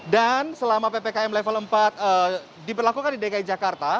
dan selama ppkm level empat diberlakukan di dki jakarta